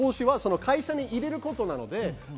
会社に入れることなので投資は。